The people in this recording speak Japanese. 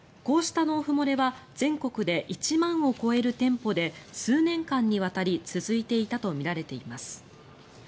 こうした納付漏れは全国で１万を超える店舗で数年間にわたり続いていたとみられています。